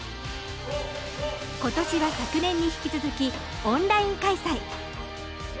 今年は昨年に引き続きオンライン開催